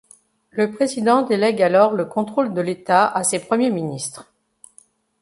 Le président délègue alors le contrôle de l'État à ses Premiers ministres.